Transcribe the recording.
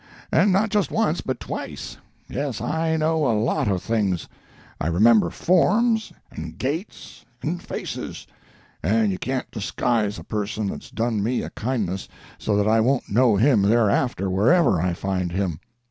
And not just once, but twice. Yes, I know a lot of things. I remember forms, and gaits, and faces; and you can't disguise a person that's done me a kindness so that I won't know him thereafter wherever I find him.